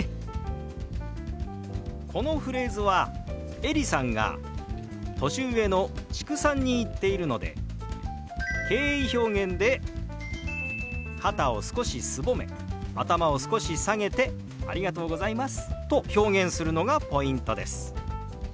このフレーズはエリさんが年上の知久さんに言っているので敬意表現で肩を少しすぼめ頭を少し下げて「ありがとうございます」と表現するのがポイントです。